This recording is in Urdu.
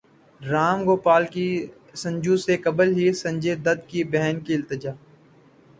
رام گوپال کی سنجو سے قبل ہی سنجے دت کی بہن کی التجا